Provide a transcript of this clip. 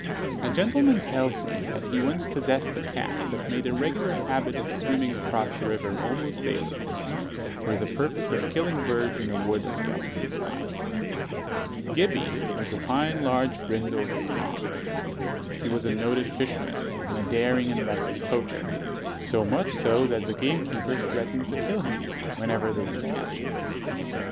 A gentleman tells me, that he once possessed a cat that made a regular habit of swimming across the river almost daily, for the purpose of killing birds in a wood on the opposite side. Gibbey was a fine, large, brindled Tom. He was a noted fisherman and a daring and reckless poacher, so much so that the gamekeepers threatened to kill him, whenever they could catch him.